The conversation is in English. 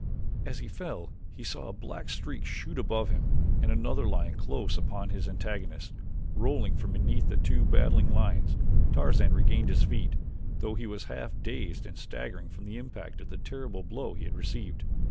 As he fell he saw a black streak shoot above him and another lion close upon his antagonist. Rolling from beneath the two battling lions Tarzan regained his feet, though he was half dazed and staggering from the impact of the terrible blow he had received.